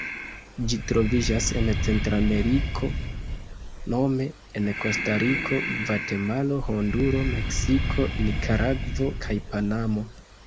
Ĝi troviĝas en Centrameriko nome en Kostariko, Gvatemalo, Honduro, Meksiko, Nikaragvo kaj Panamo.